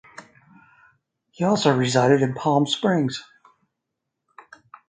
He also resided in Palm Springs.